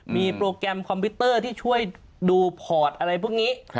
มีโปรแกรมคอมพิวเตอร์ที่ช่วยดูพอร์ตอะไรพวกนี้